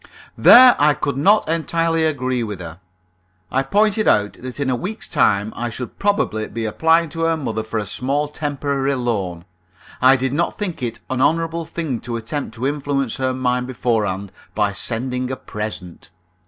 There I could not entirely agree with her. I pointed out that in a week's time I should probably be applying to her mother for a small temporary loan. I did not think it an honourable thing to attempt to influence her mind beforehand by sending a present.